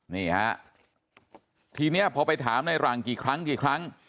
นี่ฮะทีนี้พอไปถามในหลังกี่ครั้งกี่ครั้ง